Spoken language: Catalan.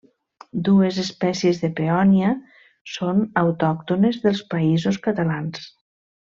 Dues espècies de peònia són autòctones dels Països Catalans.